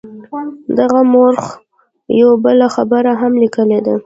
دغه مورخ یوه بله خبره هم لیکلې ده.